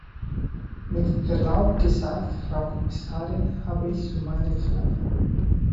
Mit Verlaub gesagt, Frau Kommissarin, habe ich so meine Zweifel.